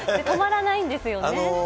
止まらないんですよね。